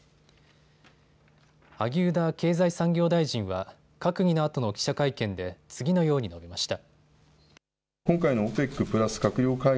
萩生田経済産業大臣は閣議のあとの記者会見で次のように述べました。